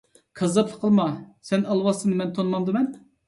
كاززاپلىق قىلما، سەن ئالۋاستىنى مەن تونۇمامدىمەن؟